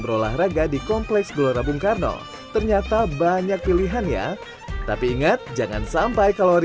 berolahraga di kompleks gelora bung karno ternyata banyak pilihan ya tapi ingat jangan sampai kalori